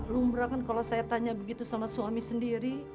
lumrah kan kalau saya tanya begitu sama suami sendiri